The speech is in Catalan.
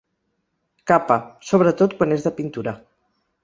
Capa, sobretot quan és de pintura.